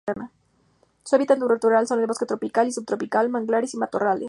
Su hábitat natural son el bosque tropical y subtropical, manglares y matorrales.